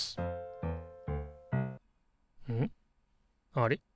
あれ？